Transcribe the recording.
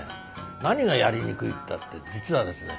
何がやりにくいったって実はですね